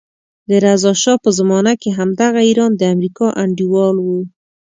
د رضا شا په زمانه کې همدغه ایران د امریکا انډیوال وو.